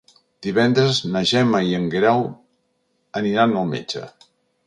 Divendres na Gemma i en Guerau aniran al metge.